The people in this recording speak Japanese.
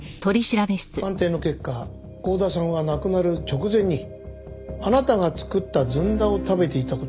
鑑定の結果郷田さんは亡くなる直前にあなたが作ったずんだを食べていた事がわかりました。